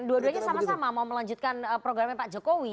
dua duanya sama sama mau melanjutkan programnya pak jokowi